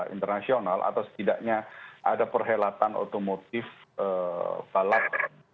internasional atau setidaknya ada perhelatan otomotif balap